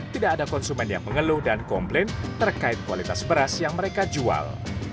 tidak ada konsumen yang mengeluh dan komplain terkait kualitas beras yang mereka jual